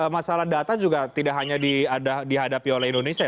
masalah data juga tidak hanya dihadapi oleh indonesia